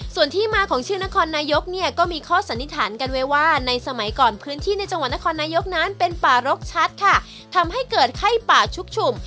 ส่วนที่มาของชื่อนครนายกเนี่ยก็มีข้อสันนิษฐานกันไว้ว่าในสมัยก่อนพื้นที่ในจังหวัดนครนายกนั้นเป็นป่ารกชัดค่ะทำให้เกิดไข้ป่าชุกฉุม